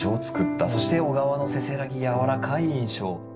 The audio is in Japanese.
そして小川のせせらぎやわらかい印象。